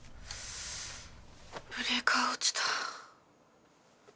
ブレーカー落ちた。